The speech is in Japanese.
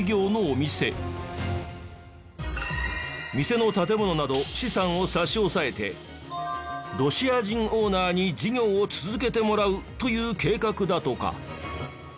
店の建物など資産を差し押さえてロシア人オーナーに事業を続けてもらうという計画だとか。